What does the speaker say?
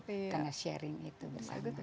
karena sharing itu bersama